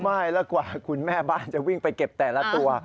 ไม่แล้วกว่าคุณแม่บ้านจะวิ่งไปเก็บแต่ละตัว